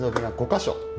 ５か所？